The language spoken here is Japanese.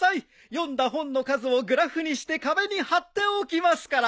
読んだ本の数をグラフにして壁に張っておきますから。